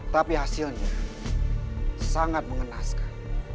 tapi hasilnya sangat mengenaskan